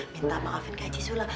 minta maafin ke jisulang